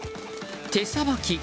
手さばき。